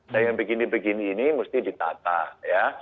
nah yang begini begini ini mesti ditata ya